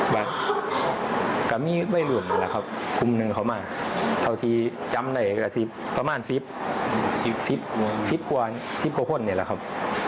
แล้วกับกะมี่ไว้รุ่นก็ละครับครุ่มหนึ่งเขามาเท่าที่จำได้ก็กระซิบประมาณซิบซิบกว่านซิบโปะนต์แบบนี้ละครับ